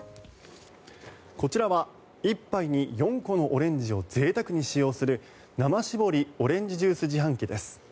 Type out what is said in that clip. こちらは１杯に４個のオレンジをぜいたくに使用する生搾りオレンジジュース自販機です。